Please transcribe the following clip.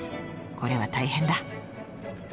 これは大変だ。